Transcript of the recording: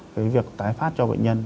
cái việc tái phát cho bệnh nhân